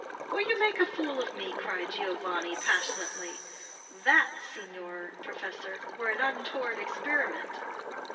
"Will you make a fool of me?" cried Giovanni, passionately. "THAT, signor professor, were an untoward experiment."